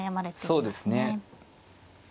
そうですね。